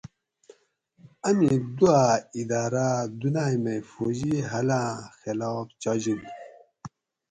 امی دوا اِداۤراۤ دُنائ مئ فوجی حل آۤں خلاف چاجِنت